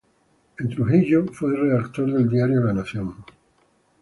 En Trujillo fue redactor del diario "La Nación".